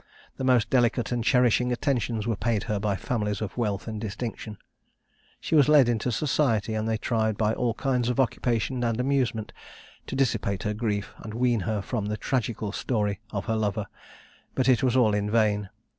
The most delicate and cherishing attentions were paid her by families of wealth and distinction. She was led into society, and they tried by all kinds of occupation and amusement to dissipate her grief, and wean her from the tragical story of her lover. But it was all in vain.